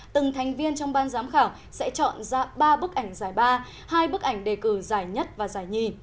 từng thành viên trong ban giám khảo sẽ chọn ra ba bức ảnh giải ba hai bức ảnh đề cử giải nhất và giải nhì